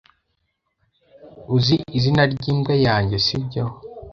Uzi izina ryimbwa yanjye, sibyo?